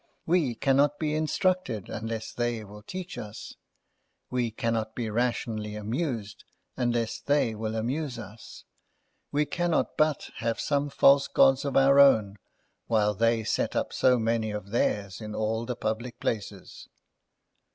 We cannot be instructed unless they will teach us; we cannot be rationally amused, unless they will amuse us; we cannot but have some false gods of our own, while they set up so many of theirs in all the public places.